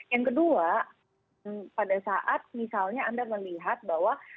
yang kedua pada saat misalnya anda melihat bahwa